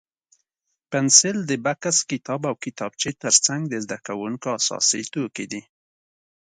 پنسل د بکس، کتاب او کتابچې تر څنګ د زده کوونکو اساسي توکي دي.